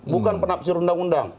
bukan penafsir undang undang